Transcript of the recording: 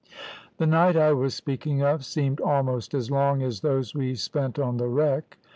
"The night I was speaking of seemed almost as long as those we spent on the wreck.